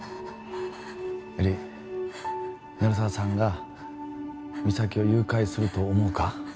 絵里鳴沢さんが実咲を誘拐すると思うか？